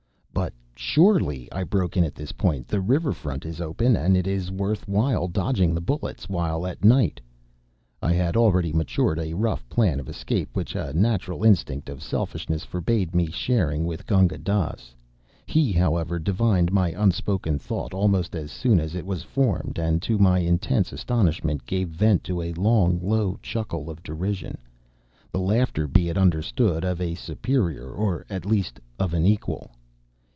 "But surely," I broke in at this point, "the river front is open, and it is worth while dodging the bullets; while at night" I had already matured a rough plan of escape which a natural instinct of selfishness forbade me sharing with Gunga Dass. He, however, divined my unspoken thought almost as soon as it was formed; and, to my intense astonishment, gave vent to a long low chuckle of derision the laughter, be it understood, of a superior or at least of an equal.